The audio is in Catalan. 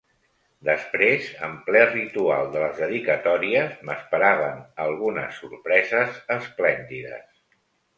Després, en ple ritual de les dedicatòries, m'esperaven algunes sorpreses esplèndides.